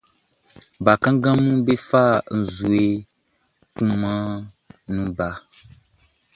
Bakannganʼm be fa nzue kunmanʼn nun ba.